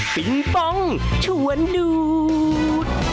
ปิงปองชวนดูด